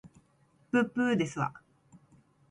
ぶっぶーですわ